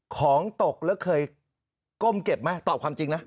ของตกแล้วเคยก้มเก็บไหมตอบความจริงนะ